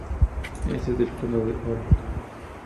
Es sede del condado de Orange.